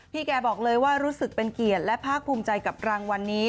แกบอกเลยว่ารู้สึกเป็นเกียรติและภาคภูมิใจกับรางวัลนี้